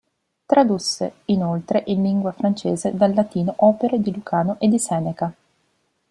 Tradusse inoltre in lingua francese dal latino opere di Lucano e di Seneca.